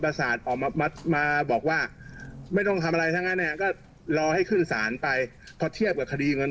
เป็นปีแต่อันนี้คุณกลับเผิกเฉย